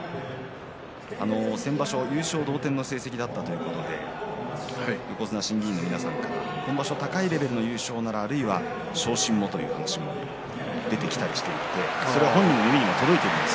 先場所、優勝同点の成績だったということで横綱審議委員の皆さんから今場所、高いレベルの優勝ならあるいは昇進もという話も出てきたりしています。